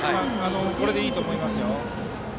これでいいと思いますよ。